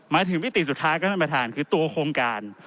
มาถึงวิธีสุดท้ายข้างด้านประธานคือตัวโครงการ